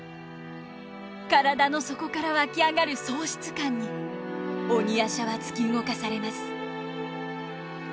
体の底から湧き上がる喪失感に鬼夜叉は突き動かされます。